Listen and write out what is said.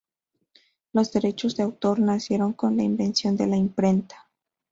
Los derechos de autor nacieron con la invención de la imprenta.